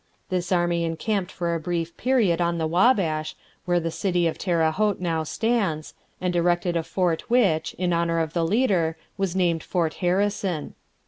This army encamped for a brief period on the Wabash, where the city of Terre Haute now stands, and erected a fort which, in honour of the leader, was named Fort Harrison.